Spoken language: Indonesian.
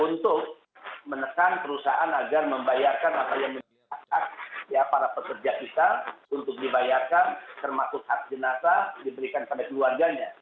untuk menekan perusahaan agar membayarkan apa yang menyebabkan hak para pekerja kita untuk dibayarkan termasuk hak jenazah diberikan pada keluarganya